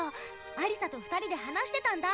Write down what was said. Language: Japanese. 亜里沙と二人で話してたんだ。